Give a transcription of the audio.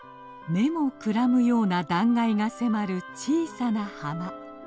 目もくらむような断崖が迫る小さな浜。